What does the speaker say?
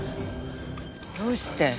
どうして？